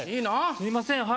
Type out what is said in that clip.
すいません